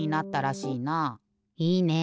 いいね。